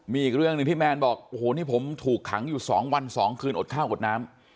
มีอีกเรื่องหนึ่งที่แมนบอกโอ้โหนี่ผมถูกขังอยู่๒วัน๒คืนอดข้าวอดน้ำ